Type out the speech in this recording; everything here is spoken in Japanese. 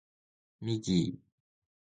ミギー